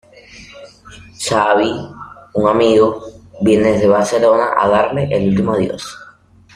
Xabi, un amigo, viene desde Barcelona a darle el último adiós.